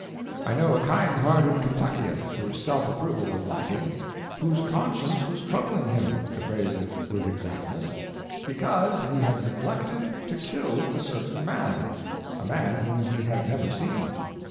I know a kind hearted Kentuckian whose self approval was lacking—whose conscience was troubling him, to phrase it with exactness—because he had neglected to kill a certain man—a man whom he had never seen.